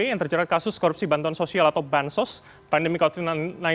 yang terjerat kasus korupsi bantuan sosial atau bansos pandemi covid sembilan belas